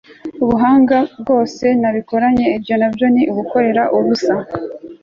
ubuhanga bwose nabikoranye; ibyo na byo ni ugukorera ubusa